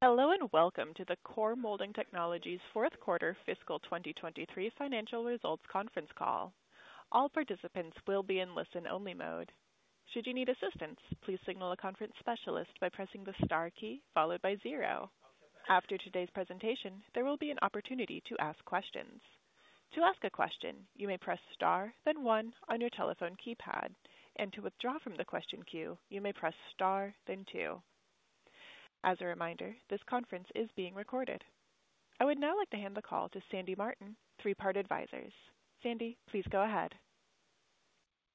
Hello and welcome to the Core Molding Technologies fourth quarter fiscal 2023 financial results conference call. All participants will be in listen-only mode. Should you need assistance, please signal a conference specialist by pressing the star key followed by zero. After today's presentation, there will be an opportunity to ask questions. To ask a question, you may press star, then one on your telephone keypad, and to withdraw from the question queue, you may press star, then two. As a reminder, this conference is being recorded. I would now like to hand the call to Sandy Martin, Three Part Advisors. Sandy, please go ahead.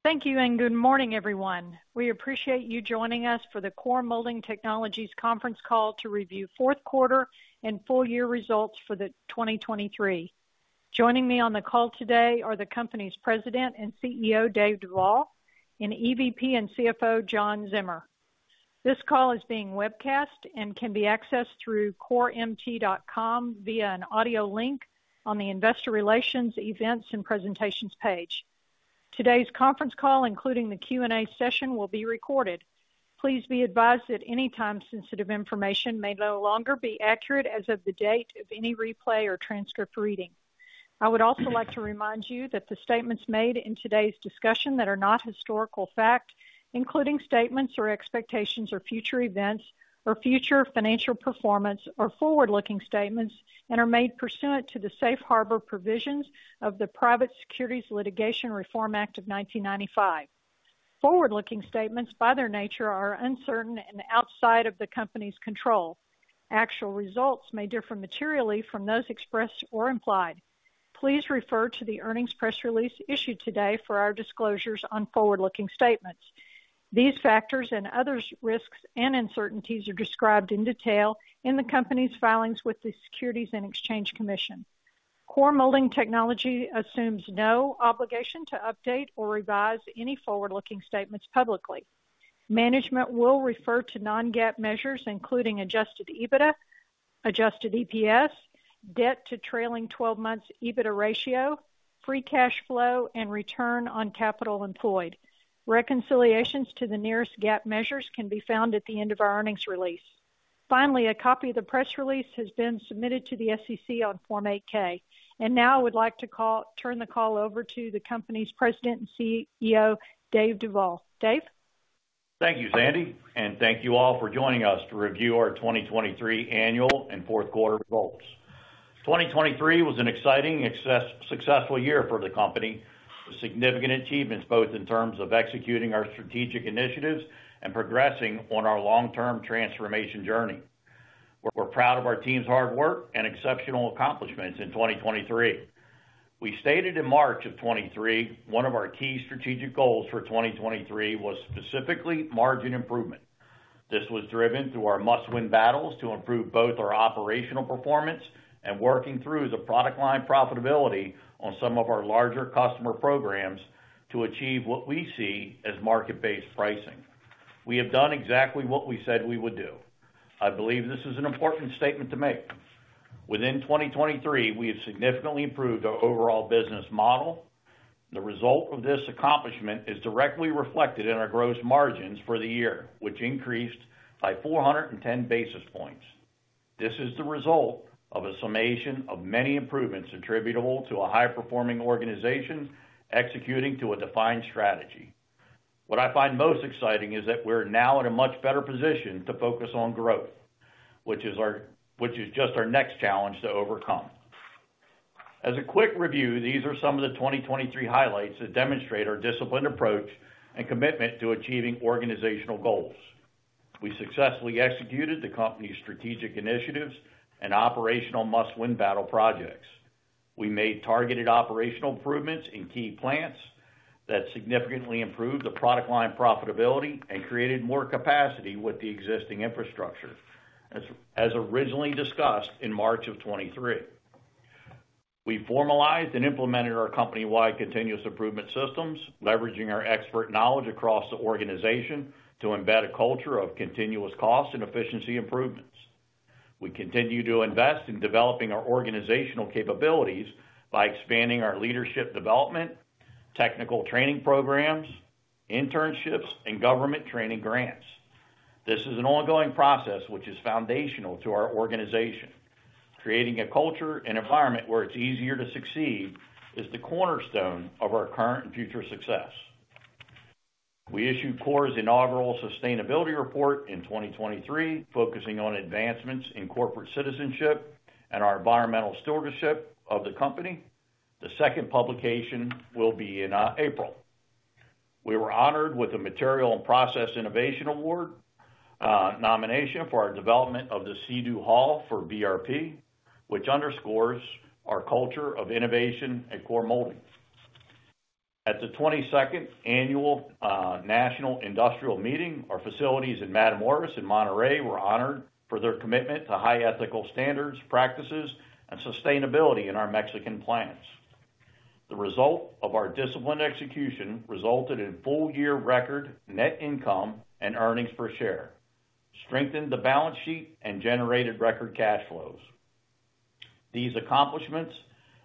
Thank you and good morning, everyone. We appreciate you joining us for the Core Molding Technologies conference call to review fourth quarter and full-year results for 2023. Joining me on the call today are the company's president and Chief Executive Officer, Dave Duvall, and Executive Vice President and Chief Financial Officer, John Zimmer. This call is being webcast and can be accessed through coremt.com via an audio link on the Investor Relations, Events, and Presentations page. Today's conference call, including the Q&A session, will be recorded. Please be advised that anytime sensitive information may no longer be accurate as of the date of any replay or transcript reading. I would also like to remind you that the statements made in today's discussion that are not historical fact, including statements or expectations or future events or future financial performance or forward-looking statements, and are made pursuant to the Safe Harbor provisions of the Private Securities Litigation Reform Act of 1995. Forward-looking statements, by their nature, are uncertain and outside of the company's control. Actual results may differ materially from those expressed or implied. Please refer to the earnings press release issued today for our disclosures on forward-looking statements. These factors and other risks and uncertainties are described in detail in the company's filings with the Securities and Exchange Commission. Core Molding Technologies assumes no obligation to update or revise any forward-looking statements publicly. Management will refer to non-GAAP measures, including Adjusted EBITDA, adjusted EPS, debt-to-trailing 12-months EBITDA ratio, free cash flow, and return on capital employed. Reconciliations to the non-GAAP measures can be found at the end of our earnings release. Finally, a copy of the press release has been submitted to the SEC on Form 8-K, and now I would like to turn the call over to the company's President and Chief Executive Officer, Dave Duvall. Dave? Thank you, Sandy, and thank you all for joining us to review our 2023 annual and fourth quarter results. 2023 was an exciting, successful year for the company, with significant achievements both in terms of executing our strategic initiatives and progressing on our long-term transformation journey. We're proud of our team's hard work and exceptional accomplishments in 2023. We stated in March of 2023 one of our key strategic goals for 2023 was specifically margin improvement. This was driven through our must-win battles to improve both our operational performance and working through the product line profitability on some of our larger customer programs to achieve what we see as market-based pricing. We have done exactly what we said we would do. I believe this is an important statement to make. Within 2023, we have significantly improved our overall business model. The result of this accomplishment is directly reflected in our gross margins for the year, which increased by 410 basis points. This is the result of a summation of many improvements attributable to a high-performing organization executing to a defined strategy. What I find most exciting is that we're now in a much better position to focus on growth, which is just our next challenge to overcome. As a quick review, these are some of the 2023 highlights that demonstrate our disciplined approach and commitment to achieving organizational goals. We successfully executed the company's strategic initiatives and operational must-win battle projects. We made targeted operational improvements in key plants that significantly improved the product line profitability and created more capacity with the existing infrastructure, as originally discussed in March of 2023. We formalized and implemented our company-wide continuous improvement systems, leveraging our expert knowledge across the organization to embed a culture of continuous cost and efficiency improvements. We continue to invest in developing our organizational capabilities by expanding our leadership development, technical training programs, internships, and government training grants. This is an ongoing process which is foundational to our organization. Creating a culture and environment where it's easier to succeed is the cornerstone of our current and future success. We issued Core's inaugural Sustainability Report in 2023, focusing on advancements in corporate citizenship and our environmental stewardship of the company. The second publication will be in April. We were honored with a Material and Process Innovation Award nomination for our development of the Sea-Doo hull for BRP, which underscores our culture of innovation at Core Molding. At the 22nd annual National Industrial Meeting, our facilities in Matamoros and Monterrey were honored for their commitment to high ethical standards, practices, and sustainability in our Mexican plants. The result of our disciplined execution resulted in full-year record net income and earnings per share, strengthened the balance sheet, and generated record cash flows. These accomplishments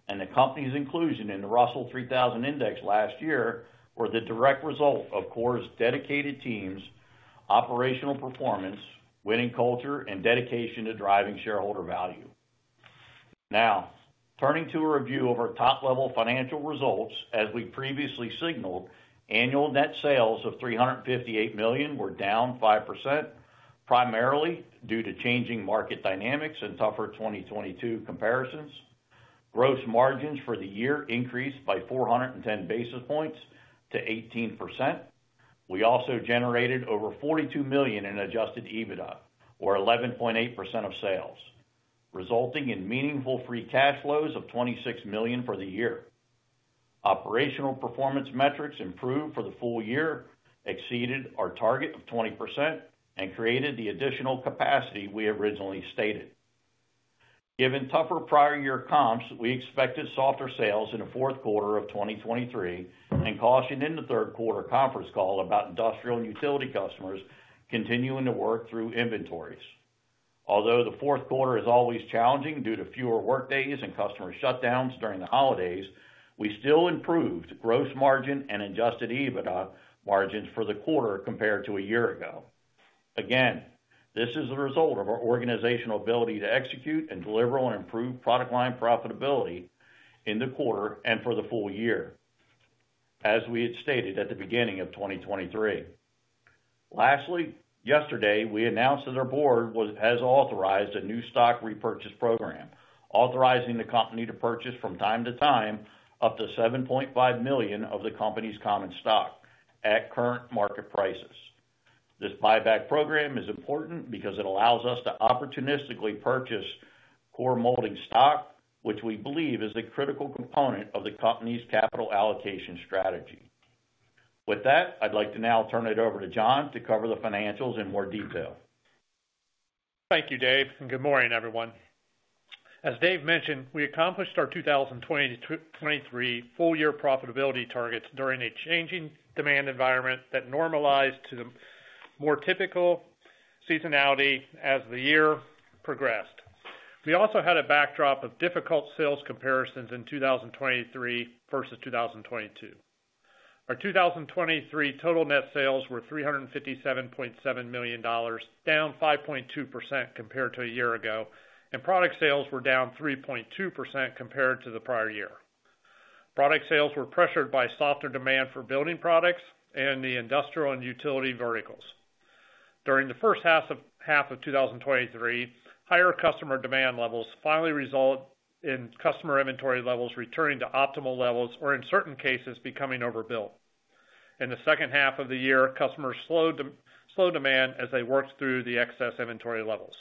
and the company's inclusion in the Russell 3000 Index last year were the direct result of Core's dedicated teams, operational performance, winning culture, and dedication to driving shareholder value. Now, turning to a review of our top-level financial results, as we previously signaled, annual net sales of $358 million were down 5%, primarily due to changing market dynamics and tougher 2022 comparisons. Gross margins for the year increased by 410 basis points to 18%. We also generated over $42 million in Adjusted EBITDA, or 11.8% of sales, resulting in meaningful free cash flows of $26 million for the year. Operational performance metrics improved for the full year, exceeded our target of 20%, and created the additional capacity we originally stated. Given tougher prior-year comps, we expected softer sales in the fourth quarter of 2023 and cautioned in the third quarter conference call about industrial and utility customers continuing to work through inventories. Although the fourth quarter is always challenging due to fewer workdays and customer shutdowns during the holidays, we still improved gross margin and Adjusted EBITDA margins for the quarter compared to a year ago. Again, this is the result of our organizational ability to execute and deliver on improved product line profitability in the quarter and for the full year, as we had stated at the beginning of 2023. Lastly, yesterday, we announced that our board has authorized a new stock repurchase program, authorizing the company to purchase from time to time up to $7.5 million of the company's common stock at current market prices. This buyback program is important because it allows us to opportunistically purchase Core Molding stock, which we believe is a critical component of the company's capital allocation strategy. With that, I'd like to now turn it over to John to cover the financials in more detail. Thank you, Dave, and good morning, everyone. As Dave mentioned, we accomplished our 2023 full-year profitability targets during a changing demand environment that normalized to the more typical seasonality as the year progressed. We also had a backdrop of difficult sales comparisons in 2023 versus 2022. Our 2023 total net sales were $357.7 million, down 5.2% compared to a year ago, and product sales were down 3.2% compared to the prior year. Product sales were pressured by softer demand for building products and the industrial and utility verticals. During the first half of 2023, higher customer demand levels finally resulted in customer inventory levels returning to optimal levels or, in certain cases, becoming overbuilt. In the second half of the year, customers slowed demand as they worked through the excess inventory levels.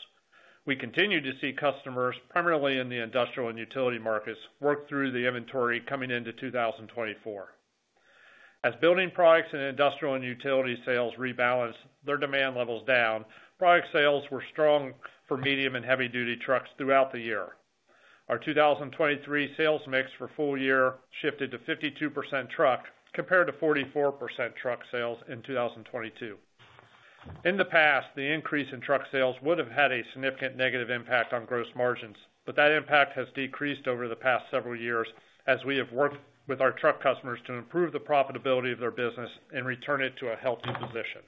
We continued to see customers, primarily in the industrial and utility markets, work through the inventory coming into 2024. As building products and industrial and utility sales rebalanced, their demand levels down, product sales were strong for medium and heavy-duty trucks throughout the year. Our 2023 sales mix for full year shifted to 52% truck compared to 44% truck sales in 2022. In the past, the increase in truck sales would have had a significant negative impact on gross margins, but that impact has decreased over the past several years as we have worked with our truck customers to improve the profitability of their business and return it to a healthy position.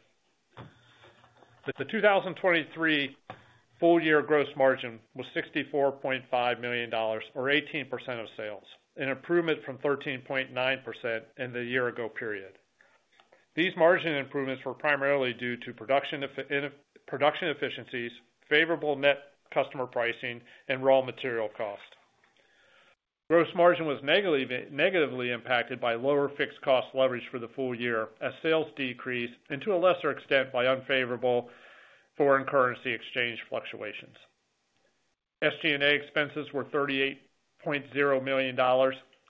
The 2023 full-year gross margin was $64.5 million, or 18% of sales, an improvement from 13.9% in the year-ago period. These margin improvements were primarily due to production efficiencies, favorable net customer pricing, and raw material cost. Gross margin was negatively impacted by lower fixed cost leverage for the full year as sales decreased and, to a lesser extent, by unfavorable foreign currency exchange fluctuations. SG&A expenses were $38.0 million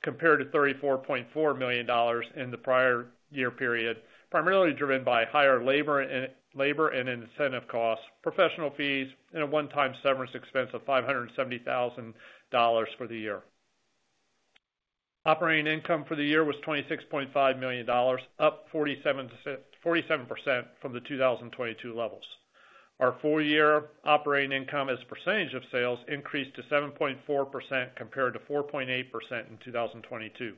compared to $34.4 million in the prior year period, primarily driven by higher labor and incentive costs, professional fees, and a one-time severance expense of $570,000 for the year. Operating income for the year was $26.5 million, up 47% from the 2022 levels. Our full-year operating income as a percentage of sales increased to 7.4% compared to 4.8% in 2022.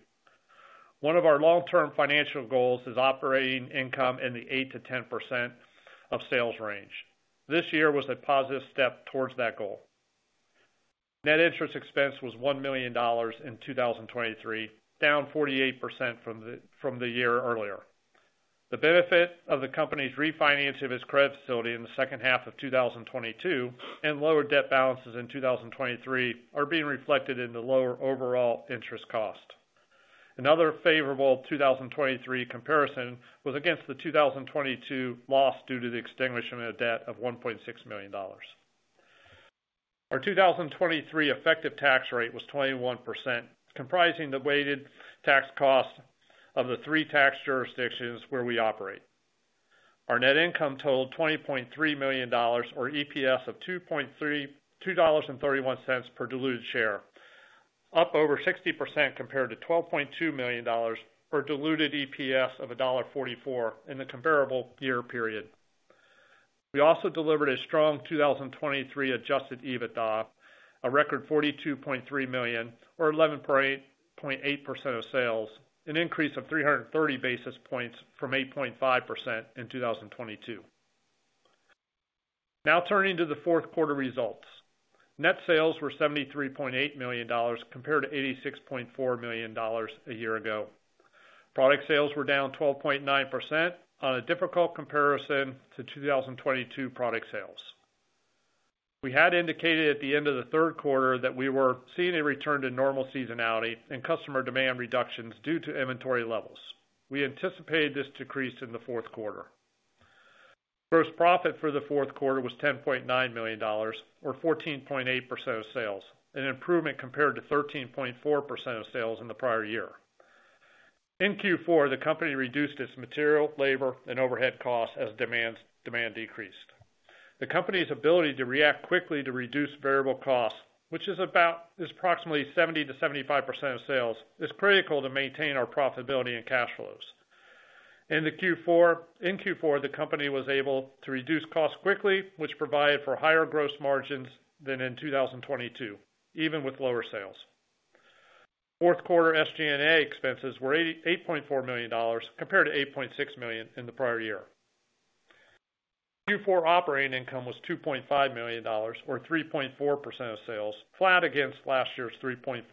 One of our long-term financial goals is operating income in the 8%-10% of sales range. This year was a positive step towards that goal. Net interest expense was $1 million in 2023, down 48% from the year earlier. The benefit of the company's refinancing of its credit facility in the second half of 2022 and lower debt balances in 2023 are being reflected in the lower overall interest cost. Another favorable 2023 comparison was against the 2022 loss due to the extinguishment of debt of $1.6 million. Our 2023 effective tax rate was 21%, comprising the weighted tax cost of the three tax jurisdictions where we operate. Our net income totaled $20.3 million, or EPS of $2.31 per diluted share, up over 60% compared to $12.2 million, or diluted EPS of $1.44 in the comparable year period. We also delivered a strong 2023 Adjusted EBITDA, a record $42.3 million, or 11.8% of sales, an increase of 330 basis points from 8.5% in 2022. Now turning to the fourth quarter results. Net sales were $73.8 million compared to $86.4 million a year ago. Product sales were down 12.9% on a difficult comparison to 2022 product sales. We had indicated at the end of the third quarter that we were seeing a return to normal seasonality and customer demand reductions due to inventory levels. We anticipated this decrease in the fourth quarter. Gross profit for the fourth quarter was $10.9 million, or 14.8% of sales, an improvement compared to 13.4% of sales in the prior year. In Q4, the company reduced its material, labor, and overhead costs as demand decreased. The company's ability to react quickly to reduce variable costs, which is approximately 70%-75% of sales, is critical to maintain our profitability and cash flows. In Q4, the company was able to reduce costs quickly, which provided for higher gross margins than in 2022, even with lower sales. Fourth quarter SG&A expenses were $8.4 million compared to $8.6 million in the prior year. Q4 operating income was $2.5 million, or 3.4% of sales, flat against last year's 3.4%.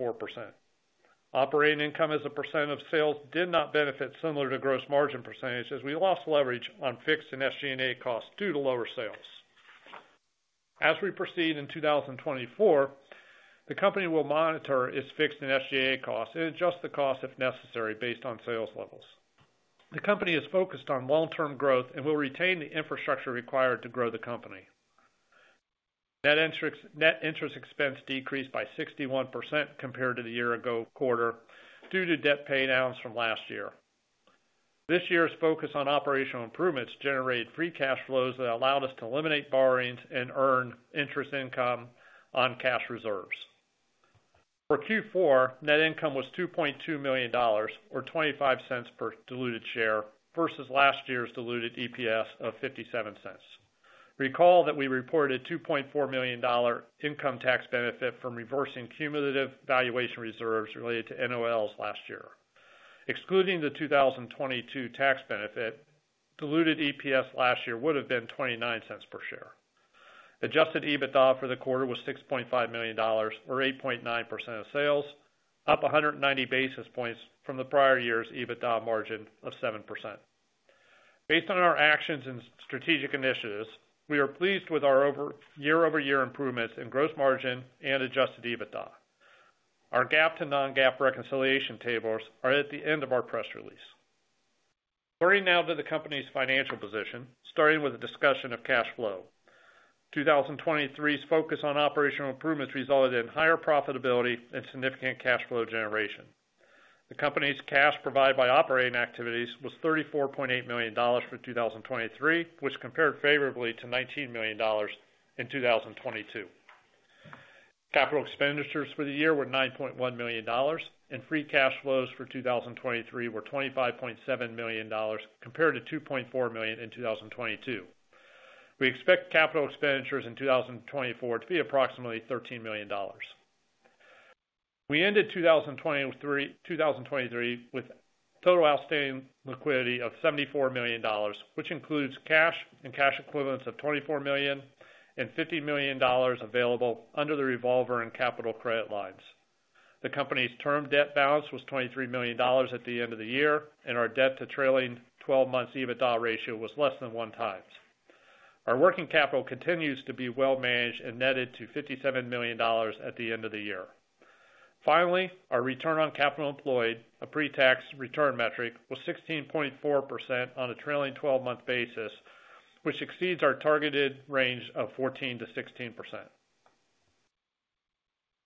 Operating income as a percent of sales did not benefit similar to gross margin percentage as we lost leverage on fixed and SG&A costs due to lower sales. As we proceed in 2024, the company will monitor its fixed and SG&A costs and adjust the costs if necessary based on sales levels. The company is focused on long-term growth and will retain the infrastructure required to grow the company. Net interest expense decreased by 61% compared to the year-ago quarter due to debt paydowns from last year. This year's focus on operational improvements generated free cash flows that allowed us to eliminate borrowings and earn interest income on cash reserves. For Q4, net income was $2.2 million, or $0.25 per diluted share, versus last year's diluted EPS of $0.57. Recall that we reported $2.4 million income tax benefit from reversing cumulative valuation reserves related to NOLs last year. Excluding the 2022 tax benefit, diluted EPS last year would have been $0.29 per share. Adjusted EBITDA for the quarter was $6.5 million, or 8.9% of sales, up 190 basis points from the prior year's EBITDA margin of 7%. Based on our actions and strategic initiatives, we are pleased with our year-over-year improvements in gross margin and adjusted EBITDA. Our GAAP-to-non-GAAP reconciliation tables are at the end of our press release. Turning now to the company's financial position, starting with a discussion of cash flow. 2023's focus on operational improvements resulted in higher profitability and significant cash flow generation. The company's cash provided by operating activities was $34.8 million for 2023, which compared favorably to $19 million in 2022. Capital expenditures for the year were $9.1 million, and free cash flows for 2023 were $25.7 million compared to $2.4 million in 2022. We expect capital expenditures in 2024 to be approximately $13 million. We ended 2023 with total outstanding liquidity of $74 million, which includes cash and cash equivalents of $24 million and $50 million available under the revolver and capital credit lines. The company's term debt balance was $23 million at the end of the year, and our debt-to-trailing 12-month EBITDA ratio was less than one times. Our working capital continues to be well managed and netted to $57 million at the end of the year. Finally, our return on capital employed, a pre-tax return metric, was 16.4% on a trailing 12-month basis, which exceeds our targeted range of 14%-16%.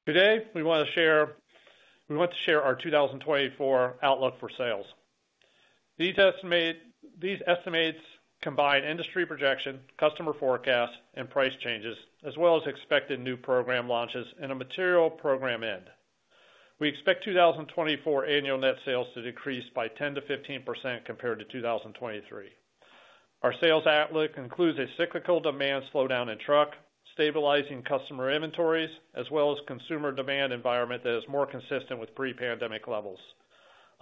Today, we want to share our 2024 outlook for sales. These estimates combine industry projection, customer forecasts, and price changes, as well as expected new program launches and a material program end. We expect 2024 annual net sales to decrease by 10%-15% compared to 2023. Our sales outlook includes a cyclical demand slowdown in truck, stabilizing customer inventories, as well as a consumer demand environment that is more consistent with pre-pandemic levels.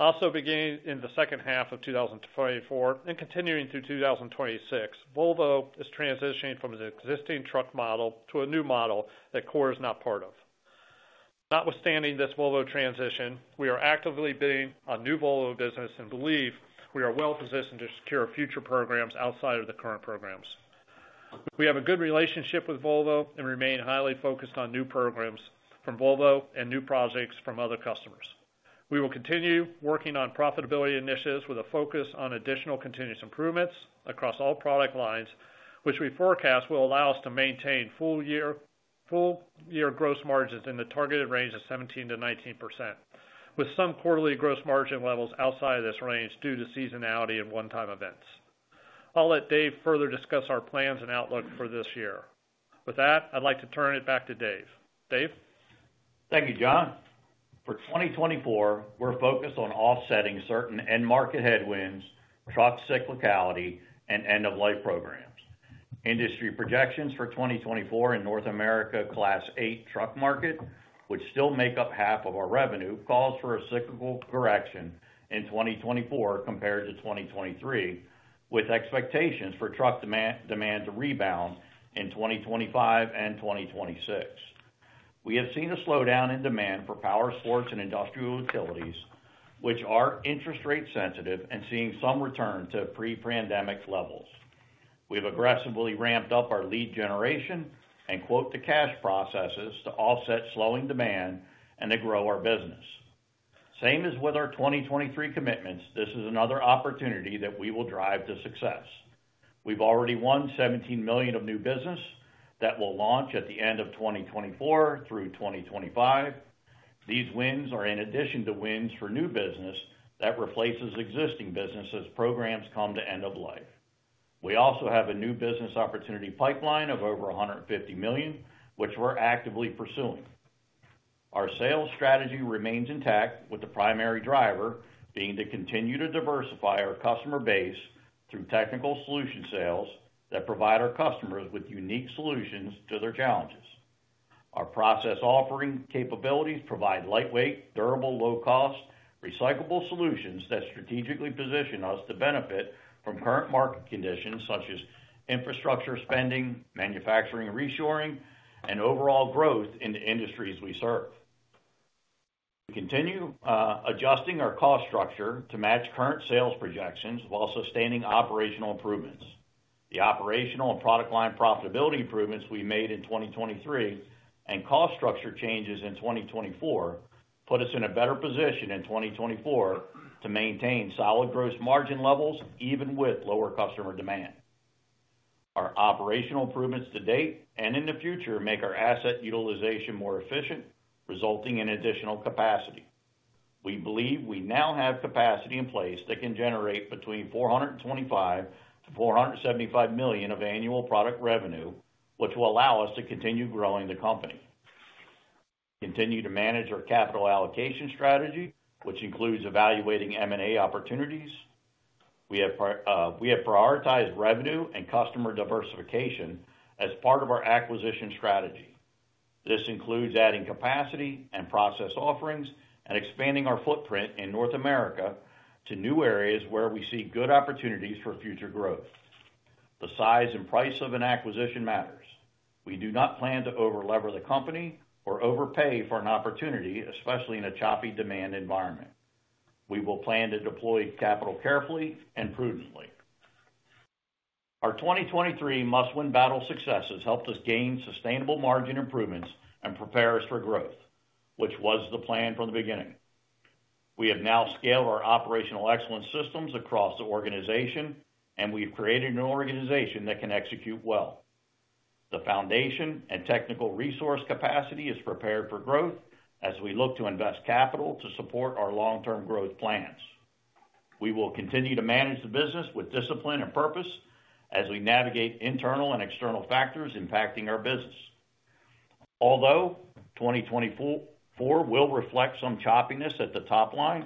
Also, beginning in the second half of 2024 and continuing through 2026, Volvo is transitioning from its existing truck model to a new model that CORE is not part of. Notwithstanding this Volvo transition, we are actively bidding on new Volvo business and believe we are well positioned to secure future programs outside of the current programs. We have a good relationship with Volvo and remain highly focused on new programs from Volvo and new projects from other customers. We will continue working on profitability initiatives with a focus on additional continuous improvements across all product lines, which we forecast will allow us to maintain full-year gross margins in the targeted range of 17% to 19%, with some quarterly gross margin levels outside of this range due to seasonality and one-time events. I'll let Dave further discuss our plans and outlook for this year. With that, I'd like to turn it back to Dave. Dave? Thank you, John. For 2024, we're focused on offsetting certain end-market headwinds, truck cyclicality, and end-of-life programs. Industry projections for 2024 in North America Class 8 truck market, which still make up half of our revenue, call for a cyclical correction in 2024 compared to 2023, with expectations for truck demand to rebound in 2025 and 2026. We have seen a slowdown in demand for powersports and industrial utilities, which are interest-rate sensitive and seeing some return to pre-pandemic levels. We have aggressively ramped up our lead generation and "quote-to-cash processes" to offset slowing demand and to grow our business. Same as with our 2023 commitments, this is another opportunity that we will drive to success. We've already won $17 million of new business that will launch at the end of 2024 through 2025. These wins are in addition to wins for new business that replaces existing business as programs come to end of life. We also have a new business opportunity pipeline of over $150 million, which we're actively pursuing. Our sales strategy remains intact, with the primary driver being to continue to diversify our customer base through technical solution sales that provide our customers with unique solutions to their challenges. Our process offering capabilities provide lightweight, durable, low-cost, recyclable solutions that strategically position us to benefit from current market conditions such as infrastructure spending, manufacturing reshoring, and overall growth in the industries we serve. We continue adjusting our cost structure to match current sales projections while sustaining operational improvements. The operational and product line profitability improvements we made in 2023 and cost structure changes in 2024 put us in a better position in 2024 to maintain solid gross margin levels even with lower customer demand. Our operational improvements to date and in the future make our asset utilization more efficient, resulting in additional capacity. We believe we now have capacity in place that can generate between $425 million to $475 million of annual product revenue, which will allow us to continue growing the company. We continue to manage our capital allocation strategy, which includes evaluating M&A opportunities. We have prioritized revenue and customer diversification as part of our acquisition strategy. This includes adding capacity and process offerings and expanding our footprint in North America to new areas where we see good opportunities for future growth. The size and price of an acquisition matters. We do not plan to overlever the company or overpay for an opportunity, especially in a choppy demand environment. We will plan to deploy capital carefully and prudently. Our 2023 Must Win Battle successes helped us gain sustainable margin improvements and prepare us for growth, which was the plan from the beginning. We have now scaled our operational excellence systems across the organization, and we've created an organization that can execute well. The foundation and technical resource capacity is prepared for growth as we look to invest capital to support our long-term growth plans. We will continue to manage the business with discipline and purpose as we navigate internal and external factors impacting our business. Although 2024 will reflect some choppiness at the top line,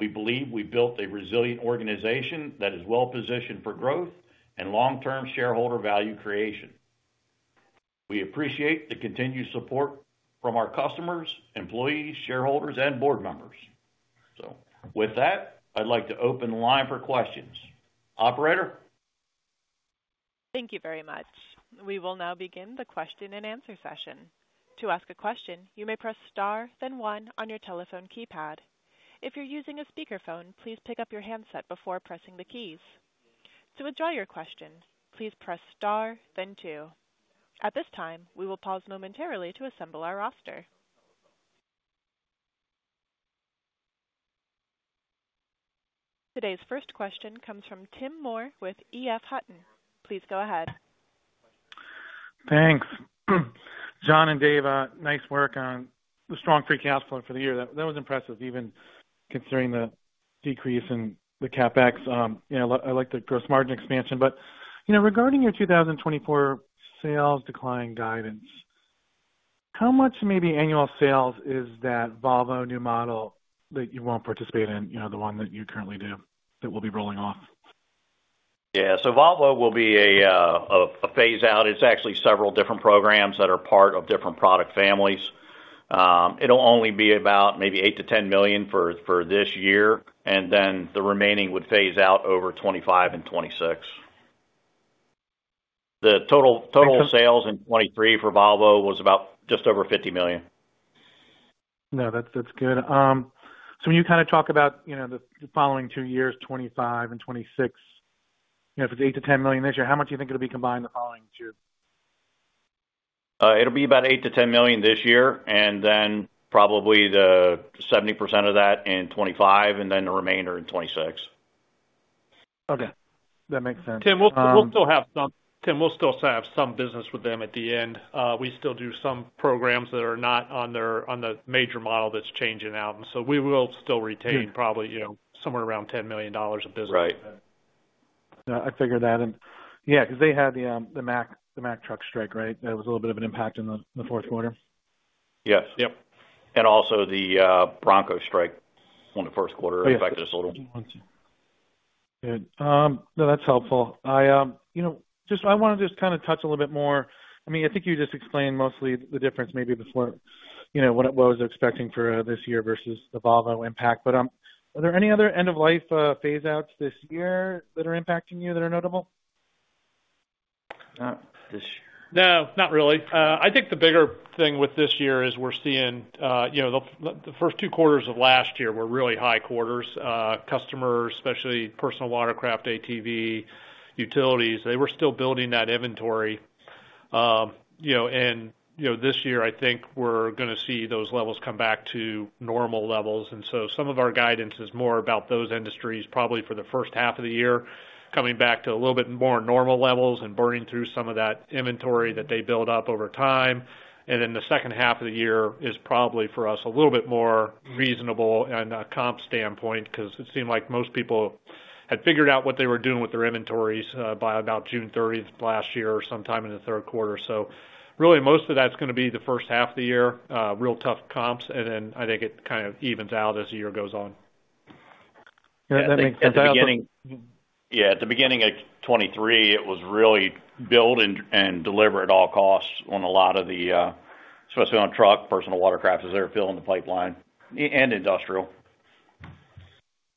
we believe we built a resilient organization that is well positioned for growth and long-term shareholder value creation. We appreciate the continued support from our customers, employees, shareholders, and board members. So with that, I'd like to open the line for questions. Operator? Thank you very much. We will now begin the question-and-answer session. To ask a question, you may press star, then one, on your telephone keypad. If you're using a speakerphone, please pick up your handset before pressing the keys. To address your question, please press star, then two. At this time, we will pause momentarily to assemble our roster. Today's first question comes from Tim Moore with EF Hutton. Please go ahead. Thanks. John and Dave, nice work on the strong free cash flow for the year. That was impressive, even considering the decrease in the CapEx. I like the gross margin expansion. But regarding your 2024 sales-declining guidance, how much maybe annual sales is that Volvo new model that you won't participate in, the one that you currently do, that will be rolling off? Yeah. So Volvo will be a phase-out. It's actually several different programs that are part of different product families. It'll only be about maybe $8 million-$10 million for this year, and then the remaining would phase out over 2025 and 2026. The total sales in 2023 for Volvo was about just over $50 million. No, that's good. So when you kind of talk about the following two years, 2025 and 2026, if it's $8 million to $10 million this year, how much do you think it'll be combined the following two? It'll be about $8 million to $10 million this year, and then probably 70% of that in 2025 and then the remainder in 2026. Okay. That makes sense. Tim, we'll still have some business with them at the end. We still do some programs that are not on the major model that's changing out, and so we will still retain probably somewhere around $10 million of business with them. Right. I figured that. Yeah, because they had the Mack truck strike, right? That was a little bit of an impact in the fourth quarter. Yes. Yep. And also the Bronco strike in the first quarter affected us a little. Yeah. One sec. Good. No, that's helpful. I want to just kind of touch a little bit more. I mean, I think you just explained mostly the difference maybe before what I was expecting for this year versus the Volvo impact. But are there any other end-of-life phase-outs this year that are impacting you that are notable? Not this year. No, not really. I think the bigger thing with this year is we're seeing the first two quarters of last year were really high quarters. Customers, especially personal watercraft, ATV, utilities, they were still building that inventory. And this year, I think we're going to see those levels come back to normal levels. And so some of our guidance is more about those industries, probably for the first half of the year, coming back to a little bit more normal levels and burning through some of that inventory that they build up over time. And then the second half of the year is probably for us a little bit more reasonable on a comps standpoint because it seemed like most people had figured out what they were doing with their inventories by about June 30th last year or sometime in the third quarter. Really, most of that's going to be the first half of the year, real tough comps, and then I think it kind of evens out as the year goes on. Yeah, that makes sense. Yeah, at the beginning of 2023, it was really build and deliver at all costs on a lot of the, especially on truck, personal watercraft, as they were filling the pipeline and industrial.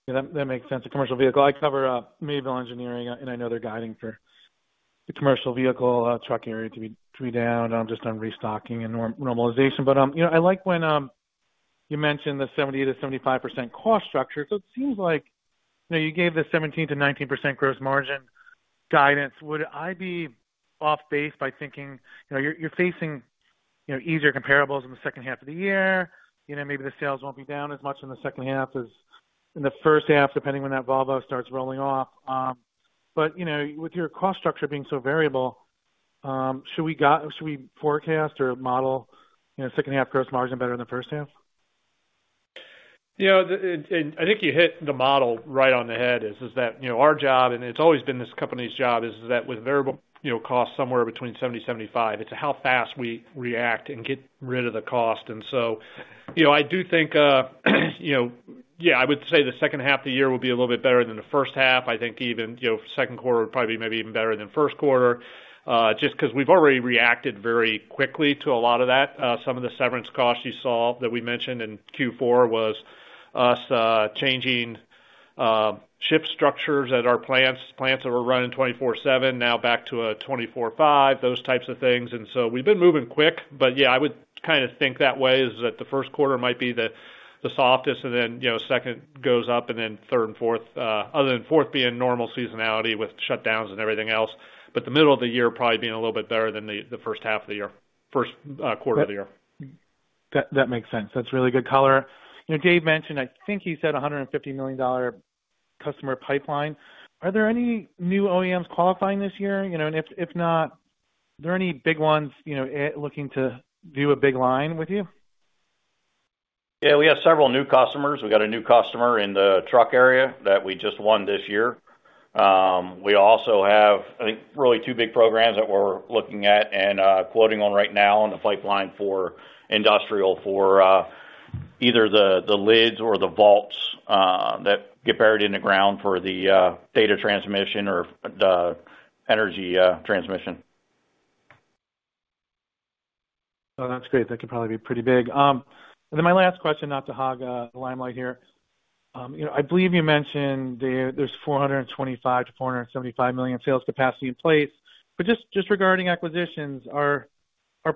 Yeah, that makes sense. The commercial vehicle I cover Mayville Engineering, and I know they're guiding for the commercial vehicle truck area to be down just on restocking and normalization. But I like when you mentioned the 70% to 75% cost structure. So it seems like you gave the 17% to 19% gross margin guidance. Would I be off base by thinking you're facing easier comparables in the second half of the year? Maybe the sales won't be down as much in the second half as in the first half, depending when that Volvo starts rolling off. But with your cost structure being so variable, should we forecast or model second-half gross margin better than the first half? I think you hit the model right on the head, is that our job, and it's always been this company's job, is that with variable costs somewhere between 70% to 75%, it's how fast we react and get rid of the cost. And so I do think, yeah, I would say the second half of the year will be a little bit better than the first half. I think even second quarter would probably be maybe even better than first quarter just because we've already reacted very quickly to a lot of that. Some of the severance costs you saw that we mentioned in Q4 was us changing shift structures at our plants, plants that were running 24/7, now back to a 24/5, those types of things. And so we've been moving quick. But yeah, I would kind of think that way, is that the first quarter might be the softest, and then second goes up, and then third and fourth other than fourth being normal seasonality with shutdowns and everything else. But the middle of the year probably being a little bit better than the first half of the year, first quarter of the year. That makes sense. That's really good color. Dave mentioned, I think he said $150 million customer pipeline. Are there any new OEMs qualifying this year? And if not, are there any big ones looking to view a big line with you? Yeah, we have several new customers. We got a new customer in the truck area that we just won this year. We also have, I think, really two big programs that we're looking at and quoting on right now on the pipeline for industrial for either the lids or the vaults that get buried in the ground for the data transmission or the energy transmission. Oh, that's great. That could probably be pretty big. And then my last question, not to hog the limelight here. I believe you mentioned there's $425 million to $475 million sales capacity in place. But just regarding acquisitions, are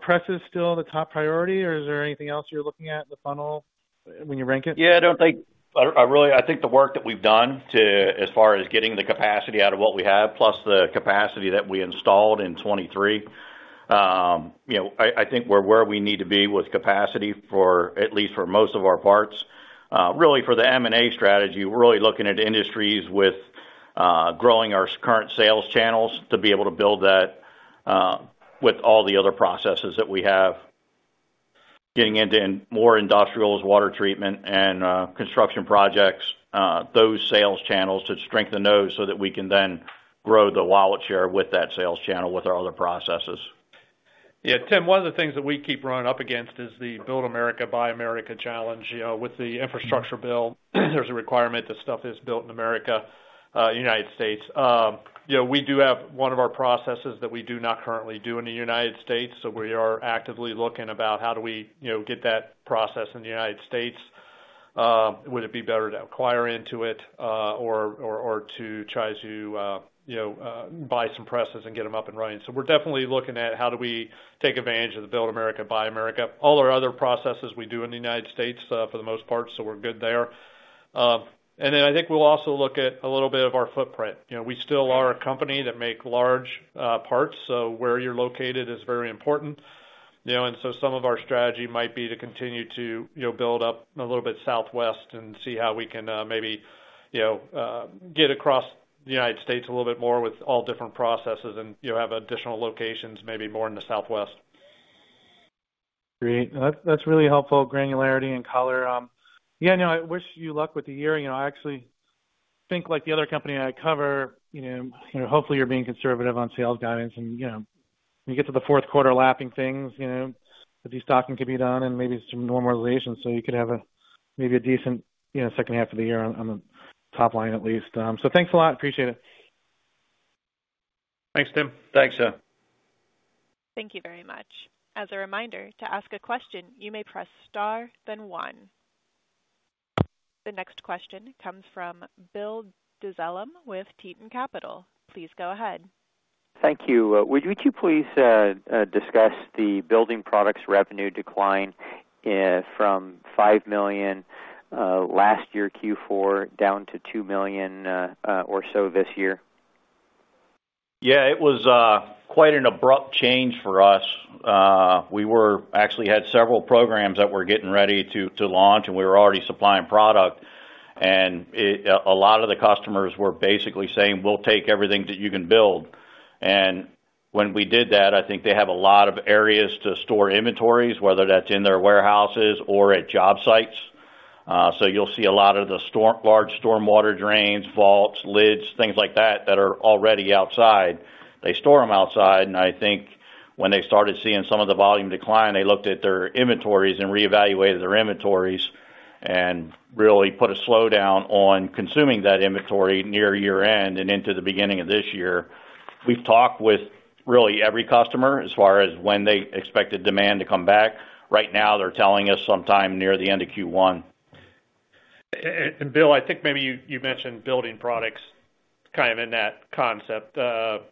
presses still the top priority, or is there anything else you're looking at in the funnel when you rank it? Yeah, I don't think the work that we've done as far as getting the capacity out of what we have, plus the capacity that we installed in 2023, I think we're where we need to be with capacity, at least for most of our parts. Really, for the M&A strategy, we're really looking at industries with growing our current sales channels to be able to build that with all the other processes that we have, getting into more industrials, water treatment, and construction projects, those sales channels to strengthen those so that we can then grow the wallet share with that sales channel, with our other processes. Yeah. Tim, one of the things that we keep running up against is the Build America, Buy America challenge. With the infrastructure bill, there's a requirement that stuff is built in America, United States. We do have one of our processes that we do not currently do in the United States, so we are actively looking about how do we get that process in the United States. Would it be better to acquire into it or to try to buy some presses and get them up and running? So we're definitely looking at how do we take advantage of the Build America, Buy America. All our other processes, we do in the United States for the most part, so we're good there. And then I think we'll also look at a little bit of our footprint. We still are a company that makes large parts, so where you're located is very important. And so some of our strategy might be to continue to build up a little bit southwest and see how we can maybe get across the United States a little bit more with all different processes and have additional locations, maybe more in the southwest. Great. That's really helpful, granularity and color. Yeah, I wish you luck with the year. I actually think the other company I cover, hopefully, you're being conservative on sales guidance. And when you get to the fourth quarter, lapping things, a few stocking could be done and maybe some normalization so you could have maybe a decent second half of the year on the top line, at least. So thanks a lot. Appreciate it. Thanks, Tim. Thanks, Tim. Thank you very much. As a reminder, to ask a question, you may press star, then one. The next question comes from Bill Dezellem with Tieton Capital. Please go ahead. Thank you. Would you two please discuss the building products revenue decline from $5 million last year, Q4, down to $2 million or so this year? Yeah, it was quite an abrupt change for us. We actually had several programs that were getting ready to launch, and we were already supplying product. A lot of the customers were basically saying, "We'll take everything that you can build." When we did that, I think they have a lot of areas to store inventories, whether that's in their warehouses or at job sites. So you'll see a lot of the large stormwater drains, vaults, lids, things like that that are already outside. They store them outside. I think when they started seeing some of the volume decline, they looked at their inventories and reevaluated their inventories and really put a slowdown on consuming that inventory near year-end and into the beginning of this year. We've talked with really every customer as far as when they expected demand to come back. Right now, they're telling us sometime near the end of Q1. And Bill, I think maybe you mentioned building products kind of in that concept. So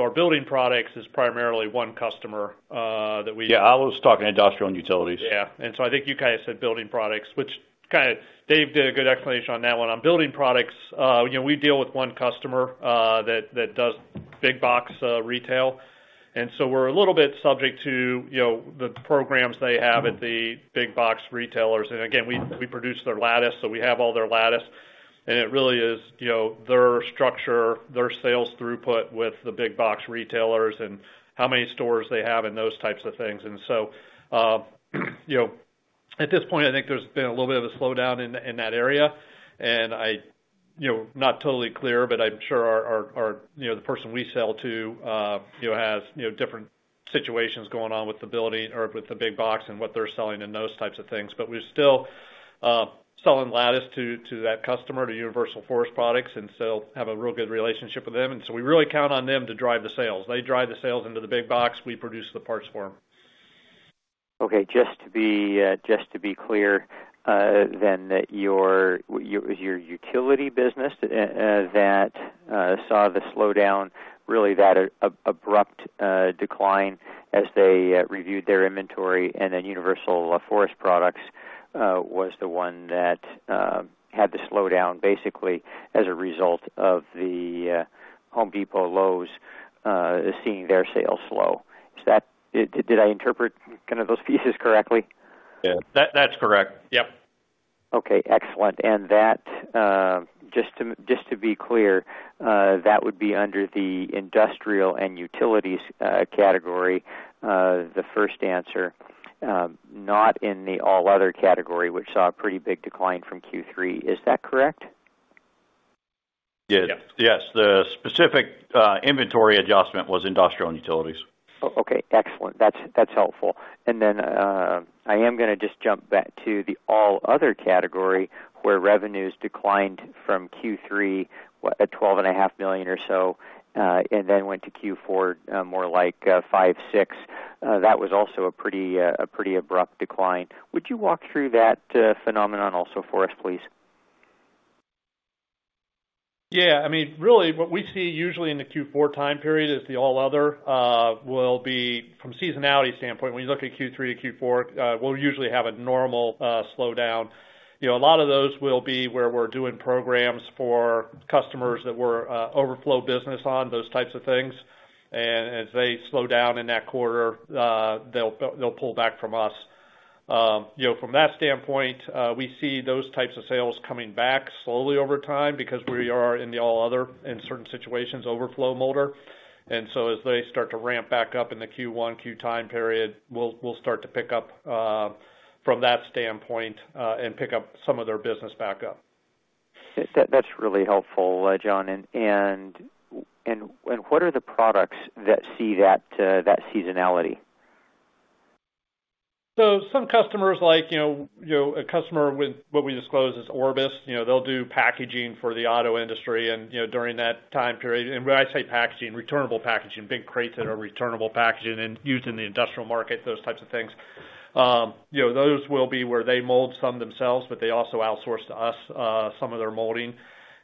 our building products is primarily one customer that we. Yeah, I was talking industrial and utilities. Yeah. And so I think you kind of said building products, which kind of Dave did a good explanation on that one. On building products, we deal with one customer that does big-box retail. And so we're a little bit subject to the programs they have at the big-box retailers. And again, we produce their lattice, so we have all their lattice. And it really is their structure, their sales throughput with the big-box retailers, and how many stores they have, and those types of things. And so at this point, I think there's been a little bit of a slowdown in that area. And I'm not totally clear, but I'm sure the person we sell to has different situations going on with the building or with the big-box and what they're selling and those types of things. But we're still selling lattice to that customer, to Universal Forest Products, and still have a real good relationship with them. And so we really count on them to drive the sales. They drive the sales into the big box. We produce the parts for them. Okay. Just to be clear then, is your utility business that saw the slowdown, really that abrupt decline, as they reviewed their inventory? And then Universal Forest Products was the one that had the slowdown, basically, as a result of the Home Depot, Lowe's seeing their sales slow. Did I interpret kind of those pieces correctly? Yeah, that's correct. Yep. Okay. Excellent. And just to be clear, that would be under the industrial and utilities category, the first answer, not in the all-other category, which saw a pretty big decline from Q3. Is that correct? Yes. Yes, the specific inventory adjustment was industrial and utilities. Okay. Excellent. That's helpful. And then I am going to just jump back to the all-other category where revenues declined from Q3 at $12.5 million or so and then went to Q4 more like $5 to $6 million. That was also a pretty abrupt decline. Would you walk through that phenomenon also for us, please? Yeah. I mean, really, what we see usually in the Q4 time period is the all-other will be from seasonality standpoint, when you look at Q3 to Q4, we'll usually have a normal slowdown. A lot of those will be where we're doing programs for customers that we're overflow business on, those types of things. And as they slow down in that quarter, they'll pull back from us. From that standpoint, we see those types of sales coming back slowly over time because we are in the all-other, in certain situations, overflow motor. And so as they start to ramp back up in the Q1, Q time period, we'll start to pick up from that standpoint and pick up some of their business back up. That's really helpful, John. What are the products that see that seasonality? So some customers, like a customer with what we disclose as Orbis, they'll do packaging for the auto industry during that time period. And when I say packaging, returnable packaging, big crates that are returnable packaging and used in the industrial market, those types of things, those will be where they mold some themselves, but they also outsource to us some of their molding.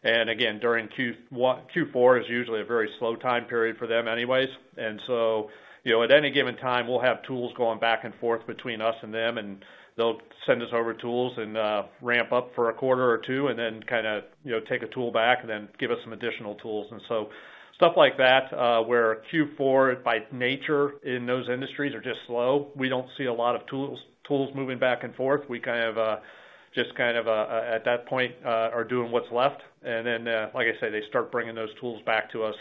And again, during Q4 is usually a very slow time period for them anyways. And so at any given time, we'll have tools going back and forth between us and them, and they'll send us over tools and ramp up for a quarter or two and then kind of take a tool back and then give us some additional tools. And so stuff like that where Q4, by nature, in those industries are just slow, we don't see a lot of tools moving back and forth. We kind of just, at that point, are doing what's left. And then, like I say, they start bringing those tools back to us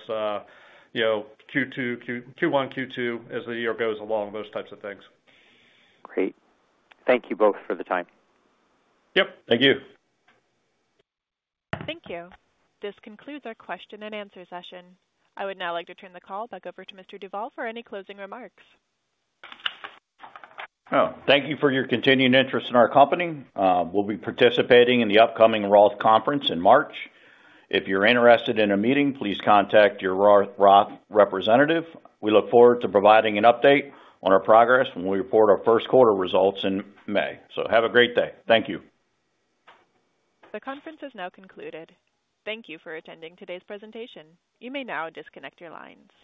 Q1, Q2 as the year goes along, those types of things. Great. Thank you both for the time. Yep. Thank you. Thank you. This concludes our question and answer session. I would now like to turn the call back over to Mr. Duvall for any closing remarks. Oh, thank you for your continued interest in our company. We'll be participating in the upcoming Roth Conference in March. If you're interested in a meeting, please contact your Roth representative. We look forward to providing an update on our progress when we report our first quarter results in May. So have a great day. Thank you. The conference is now concluded. Thank you for attending today's presentation. You may now disconnect your lines.